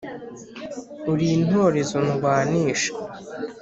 “ uri intorezo ndwanisha